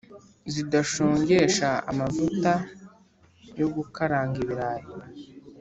Zidashongesha amavuta yo gukaranga ibirayi.